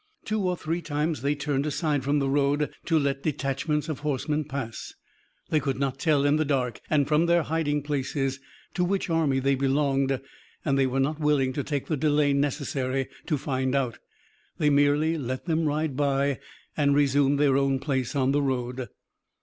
Two or three times they turned aside from the road to let detachments of horsemen pass. They could not tell in the dark and from their hiding places to which army they belonged, and they were not willing to take the delay necessary to find out. They merely let them ride by and resumed their own place on the road.